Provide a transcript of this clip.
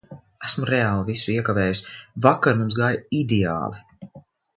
Esmu reāli visu iekavējusi. Vakar mums gāja ideāli!